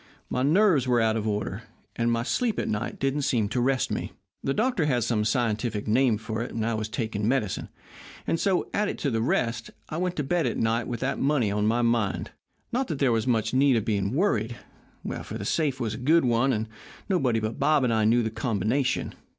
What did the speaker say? My nerves were out of order, and my sleep at night didn't seem to rest me. The doctor had some scientific name for it, and I was taking medicine. And so, added to the rest, I went to bed at night with that money on my mind. Not that there was much need of being worried, for the safe was a good one, and nobody but Bob and I knew the combination.